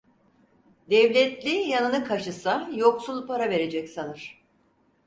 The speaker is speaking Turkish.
Devletli yanını kaşısa yoksul para verecek sanır.